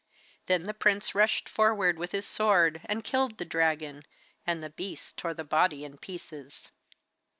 Then the prince rushed forward with his sword and killed the dragon, and the beasts tore the body in pieces.